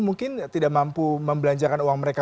mungkin tidak mampu membelanjakan uang mereka